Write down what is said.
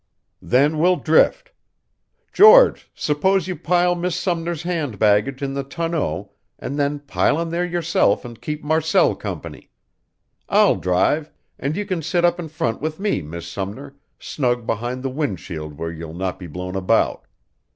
"Then we'll drift. George, suppose you pile Miss Sumner's hand baggage in the tonneau and then pile in there yourself and keep Marcelle company. I'll drive; and you can sit up in front with me, Miss Sumner, snug behind the wind shield where you'll not be blown about."